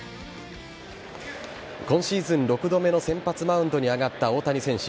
今シーズン６度目の先発マウンドに上がった大谷選手。